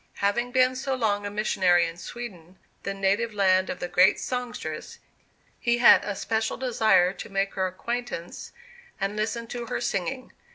Having been so long a missionary in Sweden, the native land of the great songstress, he had a special desire to make her acquaintance and listen to her singing.